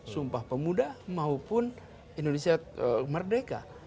sumpah pemuda maupun indonesia merdeka